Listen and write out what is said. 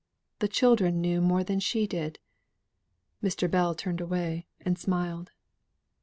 The children knew more than she did. Mr. Bell turned away, and smiled.